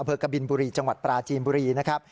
อเบอร์กบิลบุรีจังหวัดปราจีนบุรีนะครับ